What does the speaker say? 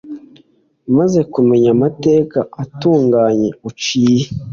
maze kumenya amateka atunganye uciye